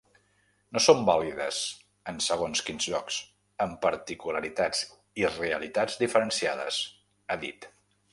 No són vàlides en segons quins llocs, amb particularitats i realitats diferenciades, ha dit.